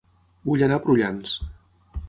Vull anar a Prullans